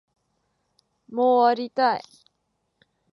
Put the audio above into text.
もう終わりたい